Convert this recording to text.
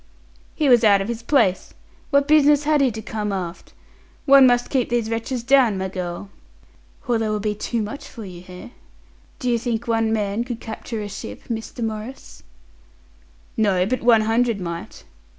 "He was out of his place. What business had he to come aft? One must keep these wretches down, my girl." "Or they will be too much for you, eh? Do you think one man could capture a ship, Mr. Maurice?" "No, but one hundred might."